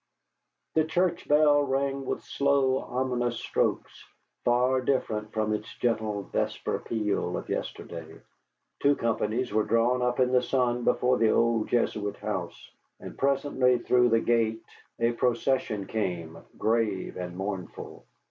The church bell rang with slow, ominous strokes, far different from its gentle vesper peal of yesterday. Two companies were drawn up in the sun before the old Jesuit house, and presently through the gate a procession came, grave and mournful.